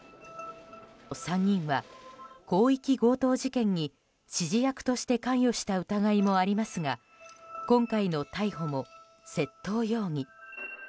３人は広域強盗事件に指示役として関与した疑いもありますが今回の逮捕も窃盗容疑。